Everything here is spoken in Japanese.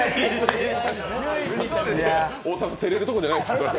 太田君、照れるところじゃないですよ。